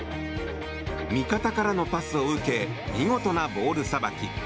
味方からのパスを受け見事なボールさばき！